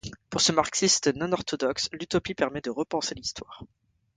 Pour ce marxiste non-orthodoxe, l'utopie permet de repenser l'histoire.